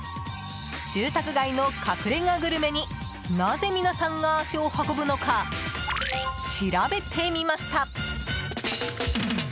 住宅街の隠れ家グルメになぜ皆さんが足を運ぶのか調べてみました。